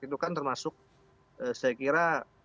itu kan termasuk saya kira